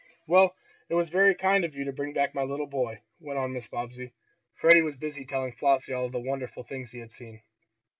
"Well, it was very kind of you to bring back my little boy," went on Mrs. Bobbsey. Freddie was busy telling Flossie all the wonderful things he had seen.